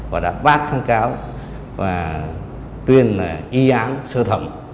và đã bác kháng cáo và tuyên y án sơ thẩm